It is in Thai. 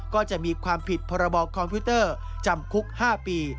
ก็จะมีความผิดพรบคอมพิวเตอร์จำคุก๕ปี